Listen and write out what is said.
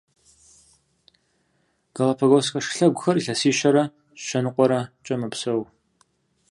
Галапагосскэ шылъэгухэр илъэсищэрэ щэныкъуэрэкӏэ мэпсэу.